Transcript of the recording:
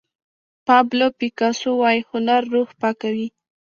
پابلو پیکاسو وایي هنر روح پاکوي.